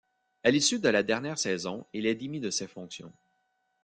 À l'issue de la dernière saison, il est démis de ses fonctions.